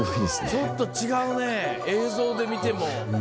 ちょっと違うね映像で見ても。